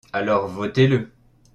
Alors votez-le.